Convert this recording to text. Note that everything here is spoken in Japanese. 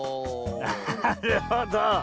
なるほど。